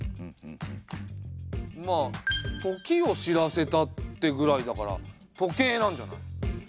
まあ「時を知らせた」ってぐらいだから時計なんじゃない？